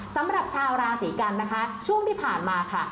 สำหรับชาวราศีกันนะคะช่วงที่ผ่านมาค่ะ